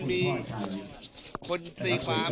ยังเช่นนั้นครับ